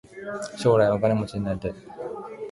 将来お金持ちになりたい。